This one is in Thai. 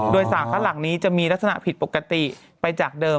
โดยสารข้างหลังนี้จะมีลักษณะผิดปกติไปจากเดิม